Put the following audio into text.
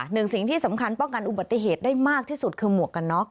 สิ่งที่สำคัญป้องกันอุบัติเหตุได้มากที่สุดคือหมวกกันน็อก